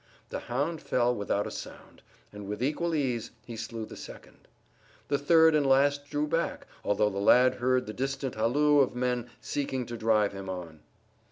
The hound fell without a sound, and with equal ease he slew the second. The third and last drew back, although the lad heard the distant halloo of men seeking to drive him on.